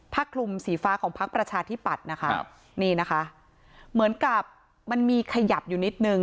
คลุมสีฟ้าของพักประชาธิปัตย์นะคะนี่นะคะเหมือนกับมันมีขยับอยู่นิดนึง